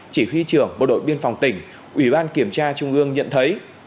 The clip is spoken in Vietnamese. chỉ huy trưởng bộ đội biên phòng tỉnh ủy ban kiểm tra trung ương nhận thấy